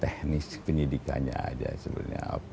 teknis penyelidikannya ada sebenarnya